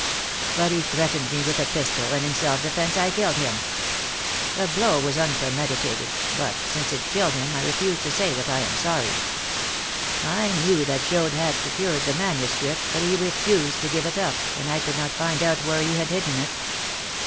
But he threatened me with a pistol, and in self defence I killed him. The blow was unpremeditated, but, since it killed him, I refuse to say that I am sorry. I knew that Joad had secured the manuscript, but he refused to give it up, and I could not find out where he had hidden it.